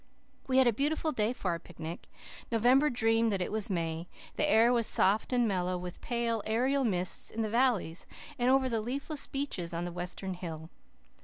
We had a beautiful day for our picnic. November dreamed that it was May. The air was soft and mellow, with pale, aerial mists in the valleys and over the leafless beeches on the western hill.